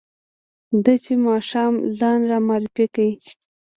ده چې ماښام ځان را معرفي کړ.